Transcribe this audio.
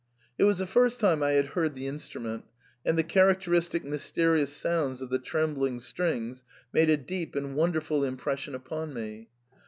It was the first time I had heard the instrument, and the characteristic mysterious sounds of the trembling strings made a deep and wonderful impression upon me.